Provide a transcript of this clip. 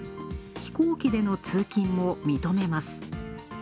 飛行機での通勤も認めます。